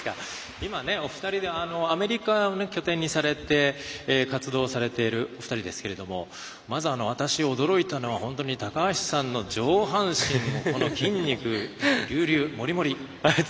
今、お二人でアメリカを拠点にして活動されている２人ですけれどもまず私、驚いたのが本当に高橋さんの上半身のこの筋肉隆々、もりもり！